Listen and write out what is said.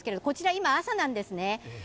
今、朝なんですね。